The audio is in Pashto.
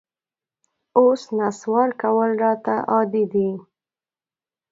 اوس نسوار کول راته عادي دي